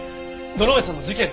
堂上さんの事件の夜